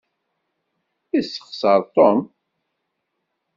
Yessexseṛ Tom.